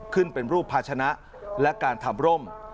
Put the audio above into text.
ขึ้นเป็นรูปภาชนะและการทำร่ม